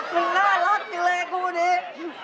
หนูน่ารักอยู่เลยคู่นี้